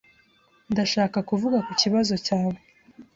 Ndashaka kuvuga ku kibazo cyawe.